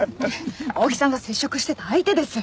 大木さんが接触してた相手です。